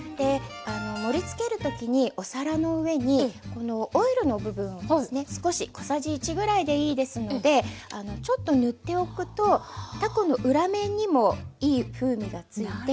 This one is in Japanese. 盛りつける時にお皿の上にこのオイルの部分をですね少し小さじ１ぐらいでいいですのでちょっと塗っておくとたこの裏面にもいい風味がついて。